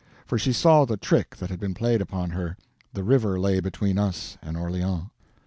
For she saw the trick that had been played upon her—the river lay between us and Orleans.